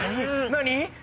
何！？